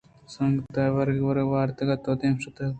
سنگت ءَ ورگ وارتگ ءُ تو دیم شُشتگ